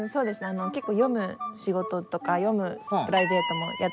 結構読む仕事とか読むプライベートもやってるんで。